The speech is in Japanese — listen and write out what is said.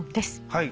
はい。